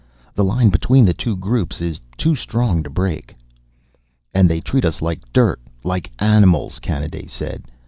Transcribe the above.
The line between the two groups is too strong to break." "And they treat us like dirt like animals," Kanaday said.